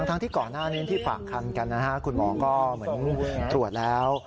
ทั้งที่ก่อนหน้านี้ที่ฝากคันกันนะฮะคุณหมอก็เหมือนตรวจแล้ว